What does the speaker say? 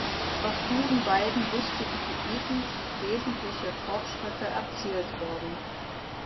Auf diesen beiden wichtigen Gebieten sind wesentliche Fortschritte erzielt worden.